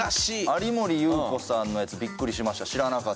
有森裕子さんのやつビックリしました。